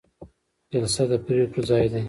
جلسه د پریکړو ځای دی